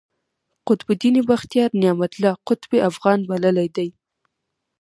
قطب الدین بختیار، نعمت الله اقطب افغان بللی دﺉ.